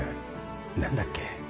何だっけ？